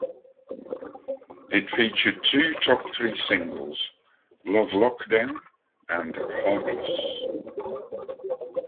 It featured two top three singles, "Love Lockdown" and "Heartless".